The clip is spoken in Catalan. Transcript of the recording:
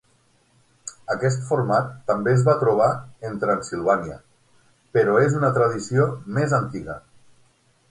Aquest format també es va trobar en Transsilvània, però és una tradició més antiga.